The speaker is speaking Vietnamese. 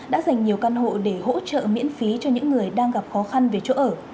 đã dành nhiều căn hộ để hỗ trợ miễn phí cho những người đang gặp khó khăn về chỗ ở